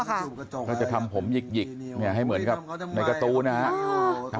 ก็จะทำผมหยิกให้เหมือนกับในกระตูนะฮะ